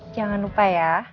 jangan lupa ya